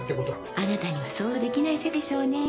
あなたには想像できない世界でしょうね。